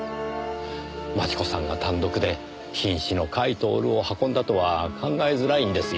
真智子さんが単独で瀕死の甲斐享を運んだとは考えづらいんですよ。